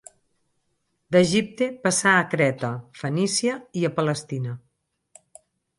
D'Egipte passà a Creta, Fenícia, i a Palestina.